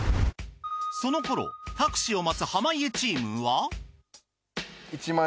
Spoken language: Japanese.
その頃タクシーを待つ濱家チームは。